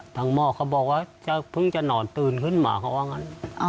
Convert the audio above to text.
ต่างหมดเขาบอกว่าพึ่งจะนอนตื่นขึ้นมาเขาก็เอาออกมา